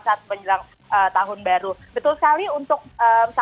saat penjelang tahun baru ini ya jadi kita bisa lihat di mana mana ya ini juga ada pergantian